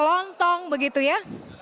lontong begitu ya